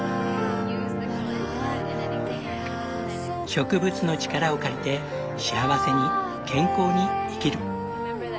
植物の力を借りて幸せに健康に生きる。